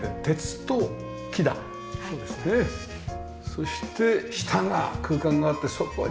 そして下が空間があってそこにまた花瓶が。